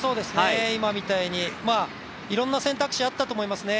今みたいに、いろんな選択肢があったと思いますね。